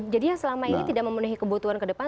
jadi yang selama ini tidak memenuhi kebutuhan ke depan